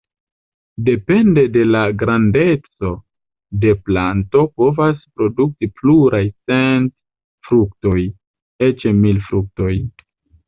Depende de la grandeco la planto povas produkti pluraj cent fruktoj, eĉ mil fruktoj.